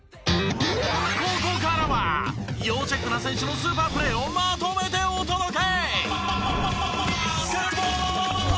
ここからは要チェックな選手のスーパープレーをまとめてお届け！